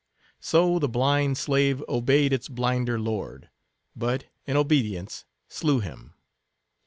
So the blind slave obeyed its blinder lord; but, in obedience, slew him.